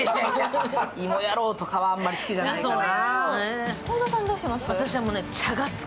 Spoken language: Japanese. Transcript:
芋野郎とかはあんまり好きじゃないかな。